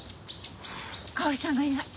香織さんがいない。